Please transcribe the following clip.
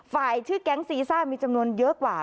ชื่อแก๊งซีซ่ามีจำนวนเยอะกว่า